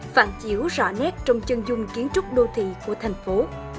phản chiếu rõ nét trong chân dung kiến trúc đô thị của thành phố